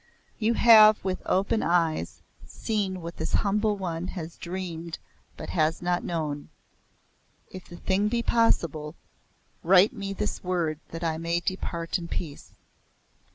"You have with open eyes seen what this humble one has dreamed but has not known. If the thing be possible, write me this word that I may depart in peace.